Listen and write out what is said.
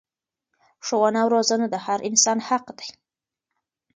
ښوونه او روزنه د هر انسان حق دی.